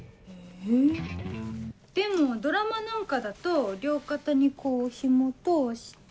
へぇでもドラマなんかだと両肩にこうひも通して。